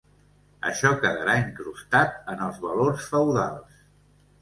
Això quedarà incrustat en els valors feudals.